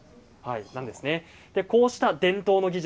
こうした伝統の技術